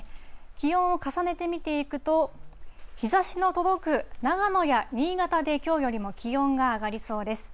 気温を重ねてみていくと、日ざしの届く長野や新潟で、きょうよりも気温が上がりそうです。